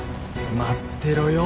待ってろよ